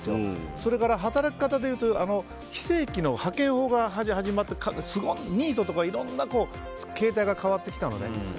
それから働き方でいうと非正規の派遣法が始まってニートとか、いろんな形態が変わってきたのね。